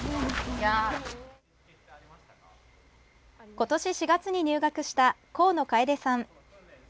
今年４月に入学した甲野楓さん。